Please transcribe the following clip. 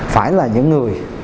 phải là những người